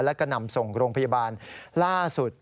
แล้วก็นำส่งโรงพยาบาลล่าสุด